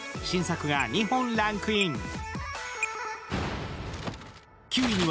新作が２本ランクイン。